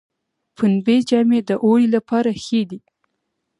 پنبې جامې د اوړي لپاره ښې دي